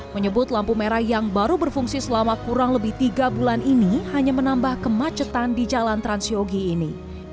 menyebut lampu merah yang baru berfungsi selama kurang lebih tiga bulan ini hanya menambah kemacetan di jalan transyogi ini